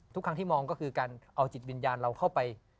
ทุกครั้งที่มองก็คือการเอาจิตวิญญาณเราเข้าไป